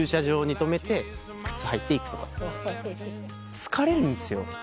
疲れるんですよ